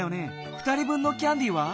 ２人分のキャンディーは？